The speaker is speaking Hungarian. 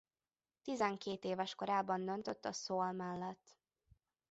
Tizenkét éves korában döntött a soul mellett.